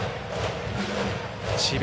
智弁